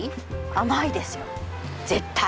甘いですよ絶対！